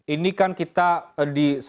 ini kan kita di